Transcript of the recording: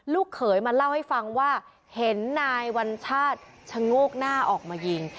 เขยมาเล่าให้ฟังว่าเห็นนายวัญชาติชะโงกหน้าออกมายิง